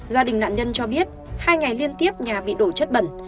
gia đình nạn nhân cho biết hai ngày liên tiếp nhà bị đổ chất bẩn